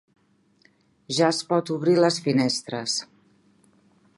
Ja es pot obrir les finestres.